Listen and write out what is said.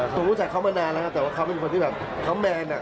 ผมรู้จักเขามานานแล้วครับแต่ว่าเขาเป็นคนที่แบบเขาแมนอ่ะ